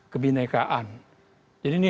kebhinnekaan jadi ini